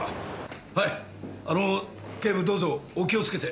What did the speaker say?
はいあの警部どうぞお気を付けて。